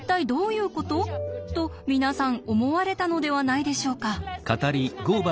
と皆さん思われたのではないでしょうか。